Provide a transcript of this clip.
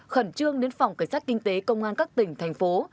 khẩn trương đến phòng cảnh sát kinh tế công an các tỉnh thành phố